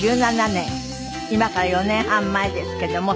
２０１７年今から４年半前ですけども。